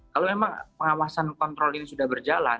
kalau memang pengawasan kontrol ini sudah berjalan